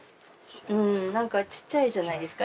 何かちっちゃいじゃないですか。